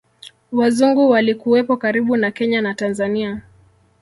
Wazungu walikuwepo karibu na Kenya na Tanzania